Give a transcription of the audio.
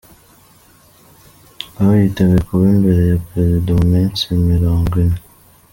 Ngabo yiteguye kuba imbere ya Perezida mu minsi mirongwine